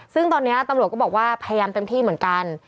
ซึ่งตอนนี้ตำรวจก็บอกว่าพยายามเต็มที่เหมือนกัน